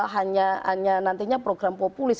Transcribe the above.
hanya nantinya program populis